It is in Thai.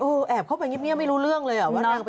อู้วแอบเข้าไปนิดนี้ไม่รู้เรื่องเลยอ่ะ